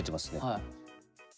はい。